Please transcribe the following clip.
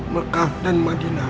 mekah dan madinah